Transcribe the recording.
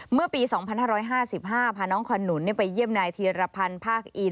เมื่อปี๒๕๕๕พาน้องขนุนไปเยี่ยมนายธีรพันธ์ภาคอิน